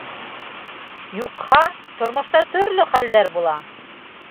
Юҡһа, тормошта төрлө хәлдәр була.